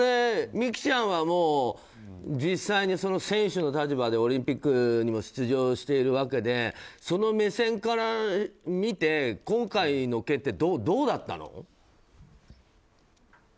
美姫ちゃんは実際に選手の立場でオリンピックにも出場しているわけでその目線から見て、今回の件ってどうだったの？